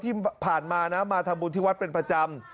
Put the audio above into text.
ที่ผ่านมานะมาทำบุญที่วัดเป็นประจำ